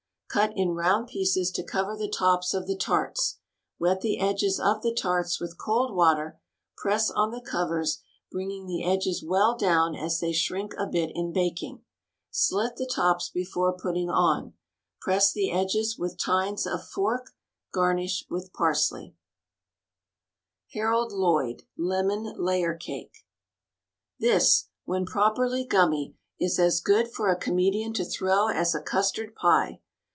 Cut in round pieces to cover the tops of the tarts. Wet the edges of the tarts with cold water ; press on the covers, bringing the edges well down as they shrink a bit in baking. Slit the tops before putting on. Press the edges with tines of fork. Garnish with parsley. [i8o] WRITTEN FOR MEN BY MEN xcv Harold Lloyd LEMON LAYER CAKE This, when properly gummy, is as good for a comedian to throw as a custard pie.